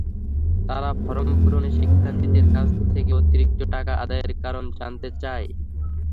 তাঁরা ফরম পূরণে শিক্ষার্থীদের কাছ থেকে অতিরিক্ত টাকা আদায়ের কারণ জানতে চান।